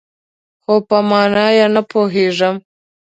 خو، په مانا یې نه پوهیږم